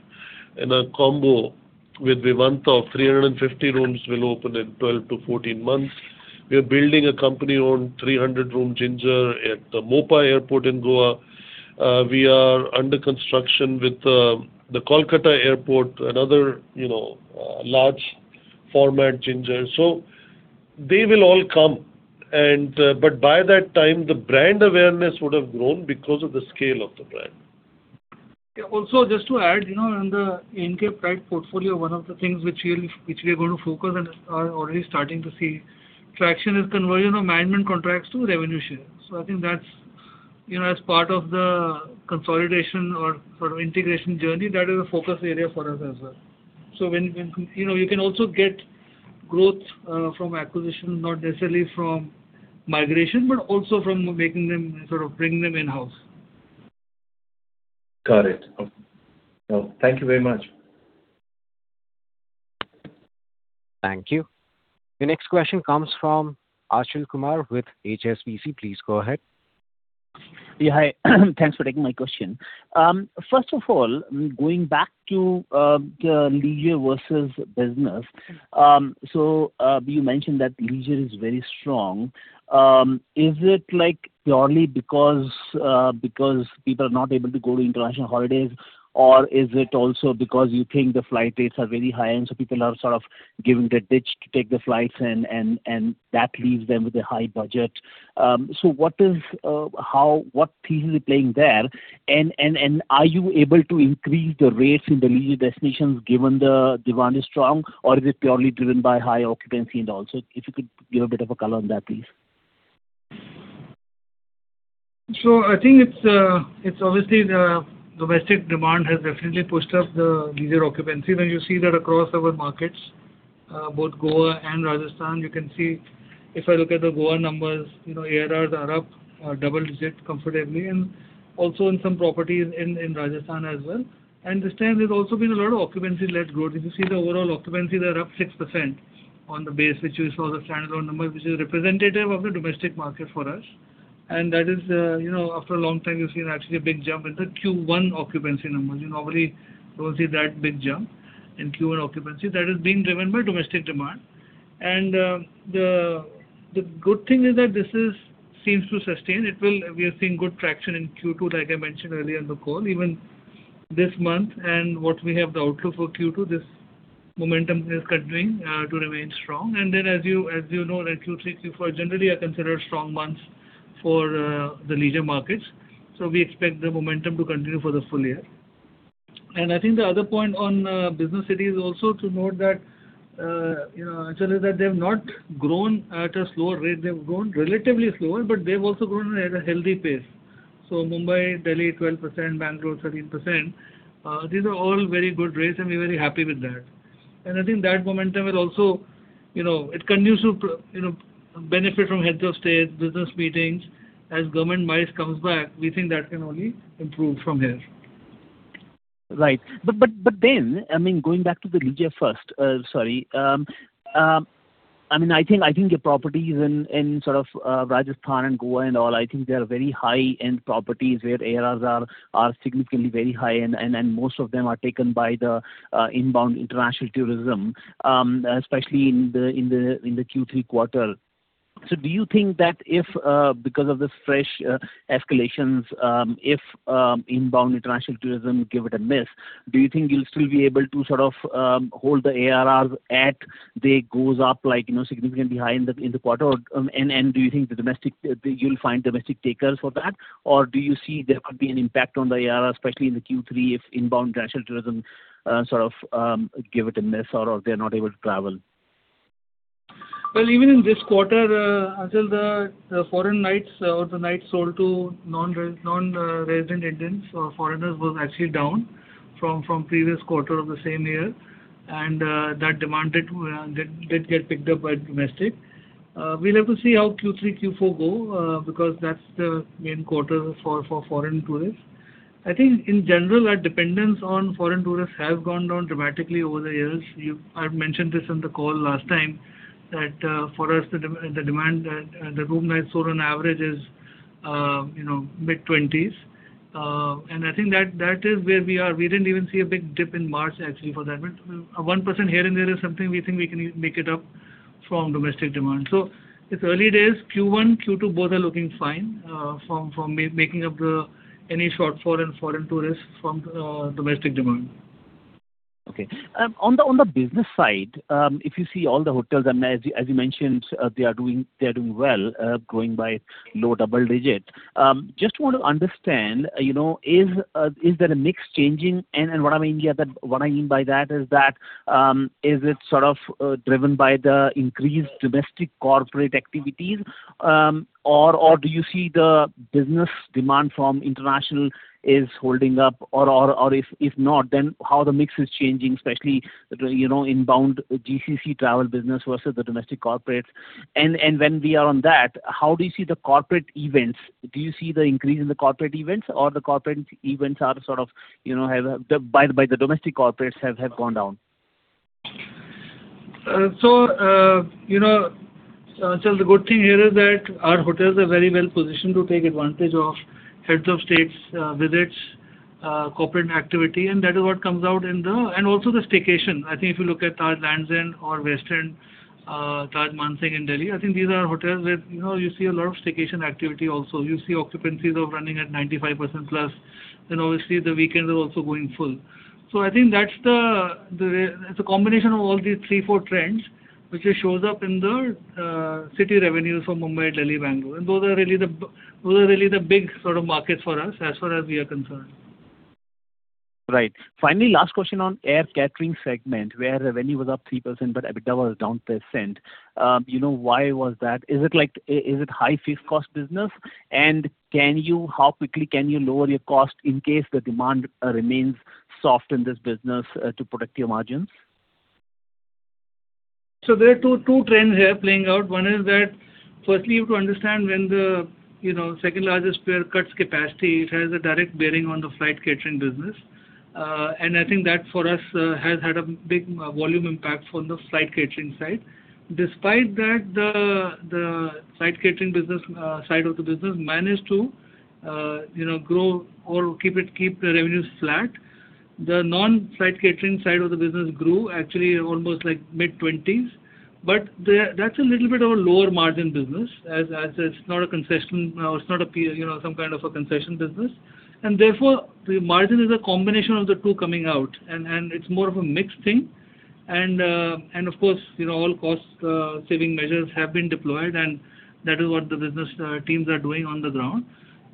in a combo with Vivanta. 350 rooms will open in 12-14 months. We are building a company-owned 300-room Ginger at the Mopa Airport in Goa. We are under construction with the Kolkata Airport, another large format Ginger. They will all come, but by that time the brand awareness would have grown because of the scale of the brand. Yeah. Also just to add, in the ANK brand portfolio, one of the things which we are going to focus on and are already starting to see traction is conversion of management contracts to revenue shares. I think that's, as part of the consolidation or sort of integration journey, that is a focus area for us as well. You can also get growth from acquisition, not necessarily from migration, but also from sort of bringing them in-house. Got it. Thank you very much. Thank you. The next question comes from Achal Kumar with HSBC. Please go ahead. Yeah. Hi. Thanks for taking my question. First of all, going back to the leisure versus business. You mentioned that leisure is very strong. Is it purely because people are not able to go to international holidays, or is it also because you think the flight rates are very high and people are sort of giving the ditch to take the flights and that leaves them with a high budget? What pieces are playing there, and are you able to increase the rates in the leisure destinations given the demand is strong, or is it purely driven by high occupancy and all? If you could give a bit of a color on that, please. I think obviously the domestic demand has definitely pushed up the leisure occupancy. When you see that across our markets, both Goa and Rajasthan, you can see if I look at the Goa numbers, ARR are up double digit comfortably, and also in some properties in Rajasthan as well. This time there's also been a lot of occupancy-led growth. If you see the overall occupancy, they're up 6% on the base, which you saw the standalone numbers, which is representative of the domestic market for us. That is after a long time you've seen actually a big jump in the Q1 occupancy numbers. You normally don't see that big jump in Q1 occupancy. That is being driven by domestic demand. The good thing is that this seems to sustain. We are seeing good traction in Q2, like I mentioned earlier in the call. Even this month and what we have the outlook for Q2, this momentum is continuing to remain strong. As you know that Q3, Q4 generally are considered strong months for the leisure markets. We expect the momentum to continue for the full year. I think the other point on business cities also to note that, you know, Achal, is that they've not grown at a slower rate. They've grown relatively slower, but they've also grown at a healthy pace. Mumbai, Delhi 12%, Bangalore 13%. These are all very good rates and we're very happy with that. I think that momentum will also continue to benefit from heads of state, business meetings. As government miles comes back, we think that can only improve from here. Right. Going back to the leisure first, sorry. I think your properties in sort of Rajasthan and Goa and all, I think they are very high-end properties where ARRs are significantly very high, and most of them are taken by the inbound international tourism, especially in the Q3 quarter. Do you think that if because of this fresh escalations, if inbound international tourism give it a miss, do you think you'll still be able to sort of hold the ARRs as they go up significantly high in the quarter? Do you think you'll find domestic takers for that, or do you see there could be an impact on the ARR, especially in the Q3 if inbound international tourism sort of give it a miss or they're not able to travel? Well, even in this quarter, Achal, the foreign nights or the nights sold to non-resident Indians or foreigners was actually down from previous quarter of the same year. That demand did get picked up by domestic. We'll have to see how Q3, Q4 go because that's the main quarter for foreign tourists. I think in general, our dependence on foreign tourists has gone down dramatically over the years. I've mentioned this in the call last time, that for us, the demand that the room nights sold on average is mid-20s. I think that is where we are. We didn't even see a big dip in March actually for that. A 1% here and there is something we think we can make it up from domestic demand. It's early days. Q1, Q2, both are looking fine from making up any shortfall in foreign tourists from domestic demand. Okay. On the business side, if you see all the hotels, as you mentioned, they are doing well, growing by low double digits. Just want to understand, is there a mix changing? What I mean by that is that, is it sort of driven by the increased domestic corporate activities? Do you see the business demand from international is holding up? If not, then how the mix is changing, especially inbound GCC travel business versus the domestic corporates? When we are on that, how do you see the corporate events? Do you see the increase in the corporate events or the corporate events by the domestic corporates have gone down? The good thing here is that our hotels are very well-positioned to take advantage of heads of states visits, corporate activity, that is what comes out in the staycation. I think if you look at Taj Lands End or Western Taj Mansingh in Delhi, I think these are hotels where you see a lot of staycation activity also. You see occupancies are running at 95%+, then obviously the weekends are also going full. I think that's the combination of all these three, four trends, which shows up in the city revenues for Mumbai, Delhi, Bangalore. Those are really the big sort of markets for us, as far as we are concerned. Right. Finally, last question on air catering segment where revenue was up 3% but EBITDA was down percent. Why was that? Is it high fixed cost business? How quickly can you lower your cost in case the demand remains soft in this business to protect your margins? There are two trends here playing out. One is that, firstly, you have to understand when the second-largest player cuts capacity, it has a direct bearing on the flight catering business. I think that for us has had a big volume impact from the flight catering side. Despite that, the flight catering side of the business managed to grow or keep the revenues flat. The non-flight catering side of the business grew actually almost mid-20s. That's a little bit of a lower margin business as it's not some kind of a concession business. Therefore the margin is a combination of the two coming out, and it's more of a mixed thing. Of course, all cost-saving measures have been deployed and that is what the business teams are doing on the ground.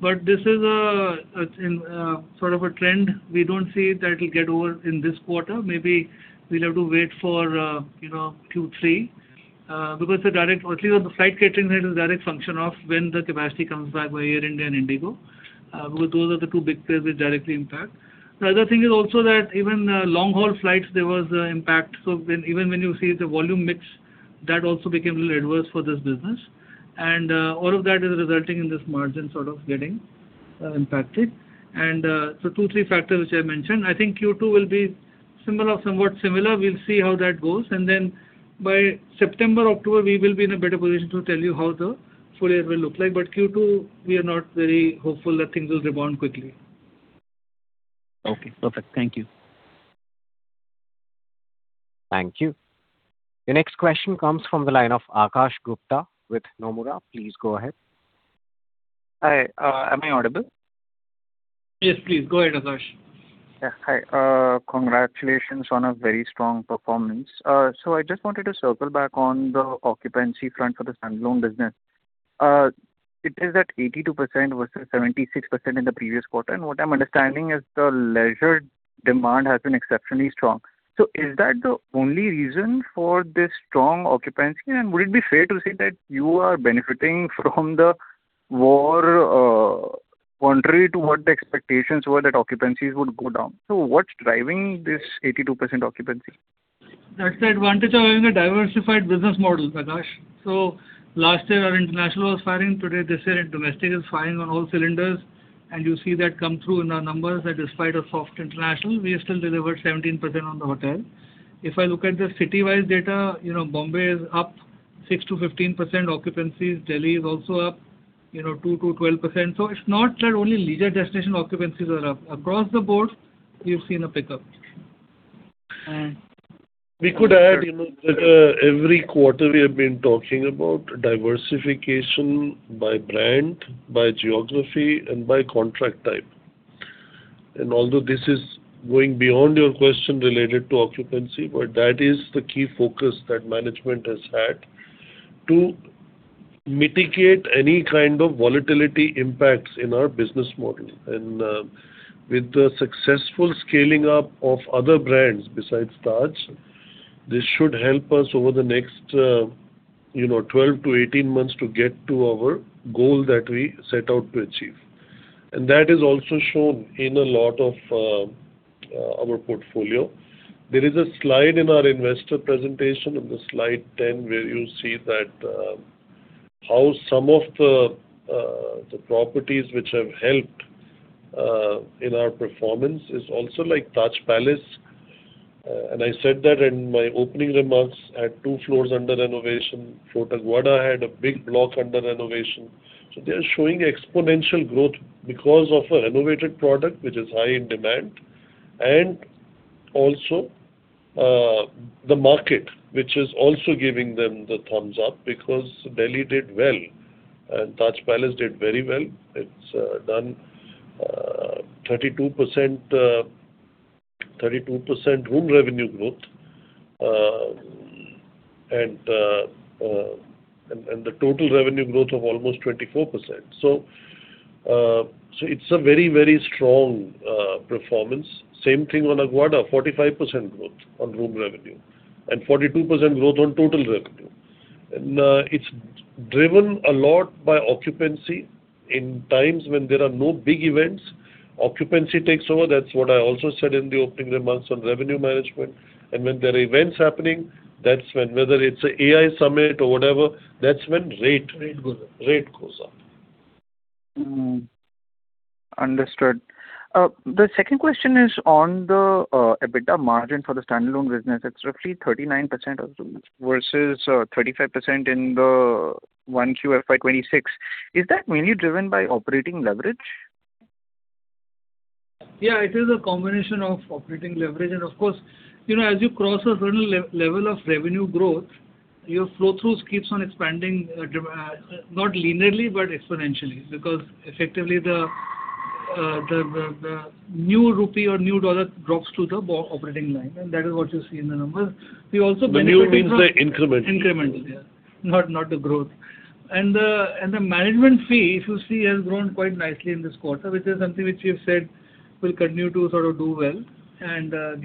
This is sort of a trend. We don't see that it'll get over in this quarter. Maybe we'll have to wait for Q3 because the direct or at least on the flight catering side is a direct function of when the capacity comes back by Air India and IndiGo. Those are the two big players which directly impact. The other thing is also that even long-haul flights, there was impact. Even when you see the volume mix, that also became a little adverse for this business. All of that is resulting in this margin sort of getting impacted. Two, three factors which I mentioned. I think Q2 will be somewhat similar. We'll see how that goes. Then by September, October, we will be in a better position to tell you how the full year will look like. Q2, we are not very hopeful that things will rebound quickly. Okay, perfect. Thank you. Thank you. The next question comes from the line of Akash Gupta with Nomura. Please go ahead. Hi. Am I audible? Yes, please. Go ahead, Akash. Yeah. Hi. Congratulations on a very strong performance. I just wanted to circle back on the occupancy front for the standalone business. It is at 82% versus 76% in the previous quarter. What I'm understanding is the leisure demand has been exceptionally strong. Is that the only reason for this strong occupancy? Would it be fair to say that you are benefiting from the war contrary to what the expectations were that occupancies would go down? What's driving this 82% occupancy? That's the advantage of having a diversified business model, Akash. Last year our international was firing. Today, this year domestic is firing on all cylinders, you see that come through in our numbers that despite a soft international, we have still delivered 17% on the hotel. I look at the city-wide data, Bombay is up 6%-15% occupancies. Delhi is also up 2%-12%. It's not that only leisure destination occupancies are up. Across the board, we've seen a pickup. We could add that every quarter we have been talking about diversification by brand, by geography, and by contract type. Although this is going beyond your question related to occupancy, that is the key focus that management has had to mitigate any kind of volatility impacts in our business model. With the successful scaling up of other brands besides Taj, this should help us over the next 12-18 months to get to our goal that we set out to achieve. That is also shown in a lot of our portfolio. There is a slide in our investor presentation on the slide ten where you see that how some of the properties which have helped in our performance is also like Taj Palace. I said that in my opening remarks at two floors under renovation. Fort Aguada had a big block under renovation. They are showing exponential growth because of a renovated product which is high in demand. Also the market, which is also giving them the thumbs-up because Delhi did well and Taj Palace did very well. It has done 32% room revenue growth, and the total revenue growth of almost 24%. It is a very strong performance. Same thing on Aguada, 45% growth on room revenue and 42% growth on total revenue. It is driven a lot by occupancy. In times when there are no big events, occupancy takes over. That is what I also said in the opening remarks on revenue management. When there are events happening, whether it is an AI summit or whatever, that is when rate goes up. Understood. The second question is on the EBITDA margin for the standalone business. It is roughly 39% or so versus 35% in the 1Q FY 2026. Is that mainly driven by operating leverage? It is a combination of operating leverage and, of course, as you cross a certain level of revenue growth, your flow-throughs keeps on expanding, not linearly but exponentially. Effectively the new rupee or new dollar drops to the operating line, that is what you see in the numbers. We also benefit. The new means the incremental. Incremental, yeah. Not the growth. The management fee, if you see, has grown quite nicely in this quarter, which is something which we have said will continue to do well.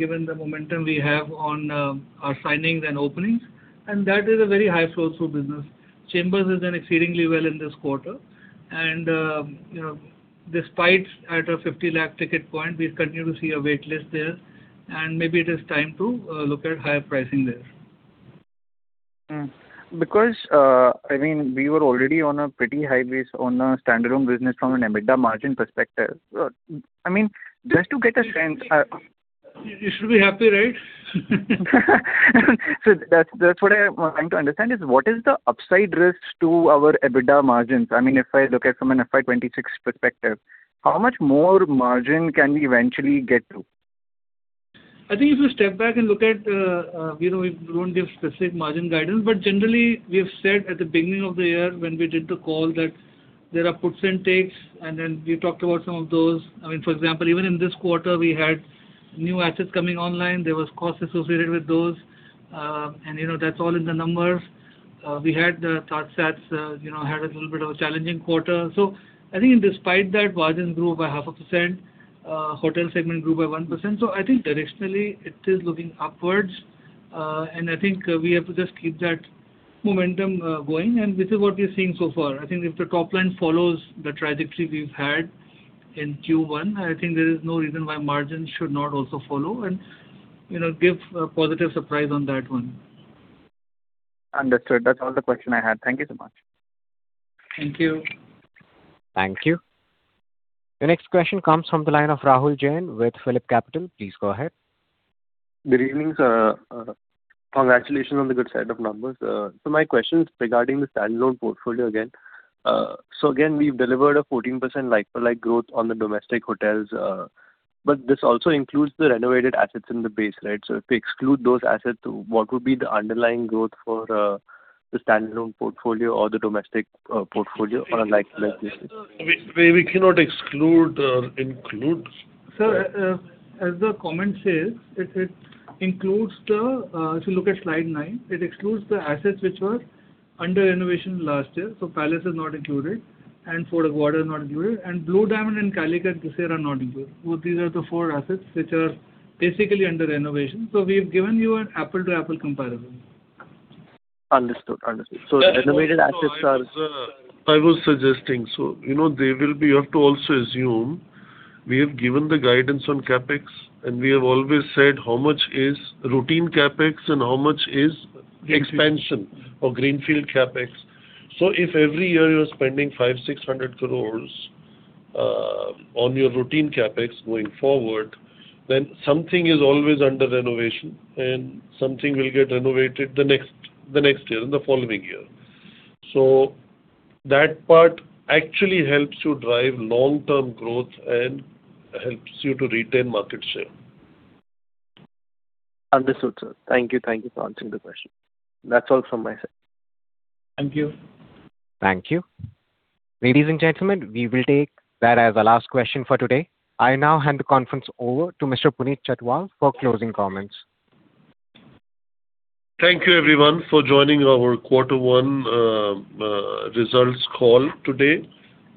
Given the momentum we have on our signings and openings, that is a very high flow-through business. The Chambers has done exceedingly well in this quarter. Despite at an 50 lakh ticket point, we continue to see a wait list there, and maybe it is time to look at higher pricing there. We were already on a pretty high base on the standalone business from an EBITDA margin perspective. Just to get a sense. You should be happy, right? That's what I am wanting to understand is what is the upside risk to our EBITDA margins? If I look at from an FY 2026 perspective, how much more margin can we eventually get to? I think if you step back. We don't give specific margin guidance, but generally, we've said at the beginning of the year when we did the call that there are puts and takes, and then we talked about some of those. For example, even in this quarter, we had new assets coming online. There was cost associated with those, and that's all in the numbers. We had TajSATS, had a little bit of a challenging quarter. I think despite that, margins grew by 0.5%. Hotel segment grew by 1%. I think directionally, it is looking upwards. I think we have to just keep that momentum going, and this is what we're seeing so far. I think if the top line follows the trajectory we've had in Q1, I think there is no reason why margins should not also follow and give a positive surprise on that one. Understood. That's all the question I had. Thank you so much. Thank you. Thank you. The next question comes from the line of Rahul Jain with PhillipCapital. Please go ahead. Good evening, sir. Congratulations on the good set of numbers. My question is regarding the standalone portfolio again. Again, we've delivered a 14% like-for-like growth on the domestic hotels. This also includes the renovated assets in the base, right? If we exclude those assets, what would be the underlying growth for the standalone portfolio or the domestic portfolio on a like-for-like basis? We cannot exclude or include. Sir, as the comment says, if you look at slide nine, it excludes the assets which were under renovation last year. Palace is not included, and Fort Aguada is not included, and Blue Diamond and Calicut this year are not included. These are the four assets which are basically under renovation. We've given you an apple-to-apple comparison. Understood. The renovated assets are-- I was suggesting. You have to also assume we have given the guidance on CapEx, and we have always said how much is routine CapEx and how much is expansion or greenfield CapEx. If every year you're spending 500 crore-600 crore on your routine CapEx going forward, then something is always under renovation, and something will get renovated the next year and the following year. That part actually helps you drive long-term growth and helps you to retain market share. Understood, sir. Thank you. Thank you for answering the question. That's all from my side. Thank you. Thank you. Ladies and gentlemen, we will take that as the last question for today. I now hand the conference over to Mr. Puneet Chhatwal for closing comments. Thank you, everyone, for joining our quarter one results call today,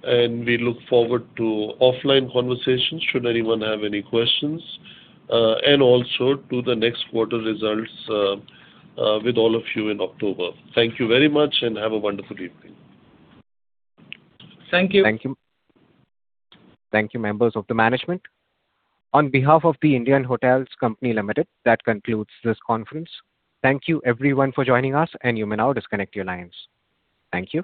and we look forward to offline conversations should anyone have any questions, and also to the next quarter results with all of you in October. Thank you very much, and have a wonderful evening. Thank you. Thank you. Thank you, members of the management. On behalf of The Indian Hotels Company Limited, that concludes this conference. Thank you everyone for joining us, and you may now disconnect your lines. Thank you.